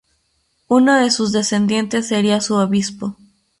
Uno de sus descendientes sería su obispo.